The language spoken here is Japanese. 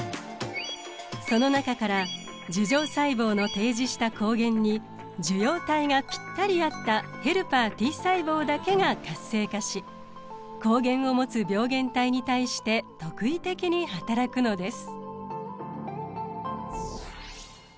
その中から樹状細胞の提示した抗原に受容体がピッタリ合ったヘルパーＴ細胞だけが活性化し抗原を持つ病原体に対して特異的にはたらくのです。